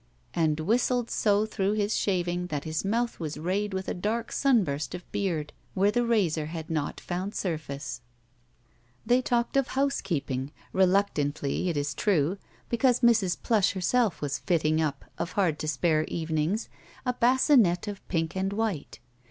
And whistled so through his Slaving that his mouth was rayed with a dark sunburst of l^eard wh^:^ the razor had not fotmd sxirface. GUILTY They talked of housekeeping, reluctantly, it is true, because Mrs. Plush herself was fitting up, of hard to spare evenings, a basinette of pink and white.